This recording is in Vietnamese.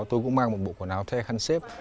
tôi cũng mang một bộ quần áo thê khăn xếp